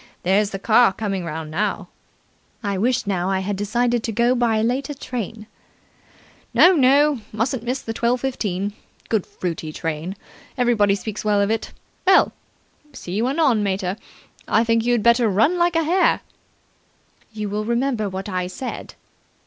There's the car coming round now." "I wish now I had decided to go by a later train." "No, no, mustn't miss the twelve fifteen. Good, fruity train. Everybody speaks well of it. Well, see you anon, mater. I think you'd better run like a hare." "You will remember what I said?"